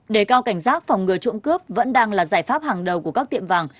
đề cao cảnh giác phòng ngừa trộm cướp vẫn đang là giải pháp hàng đầu của các tiệm vàng